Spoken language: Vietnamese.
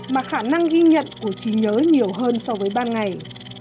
mà khả năng ghi nhận của trí nhớ nhiều hơn so với ban ngày